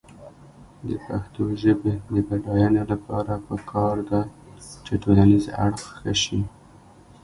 د پښتو ژبې د بډاینې لپاره پکار ده چې ټولنیز اړخ ښه شي.